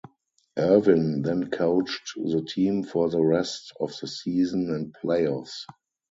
Irvin then coached the team for the rest of the season and playoffs.